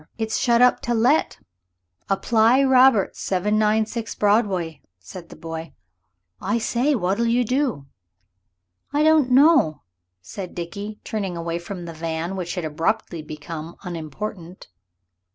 It's shut up to let apply Roberts 796 Broadway," said the boy. "I say, what'll you do?" "I don't know," said Dickie, turning away from the van, which had abruptly become unimportant.